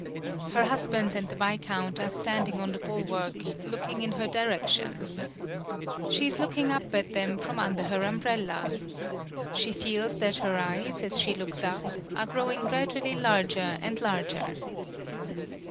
Her husband and the viscount are standing on the bulwark, looking in her direction. She is looking up at them from under her umbrella. She feels that her eyes, as she looks up, are growing gradually larger and larger.